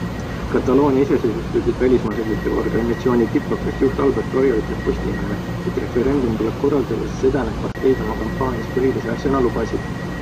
Kataloonia iseseisvuspüüdeid välismaal selgitava organisatsiooni Diplocat juht Albert Royo ütleb Postimehele, et referendum tuleb korraldada, sest seda need parteid oma kampaanias põhilise asjana lubasid.